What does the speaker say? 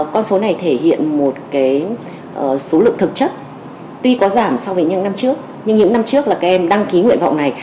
con số này thể hiện một số lượng thực chất tuy có giảm so với những năm trước nhưng những năm trước là các em đăng ký nguyện vọng này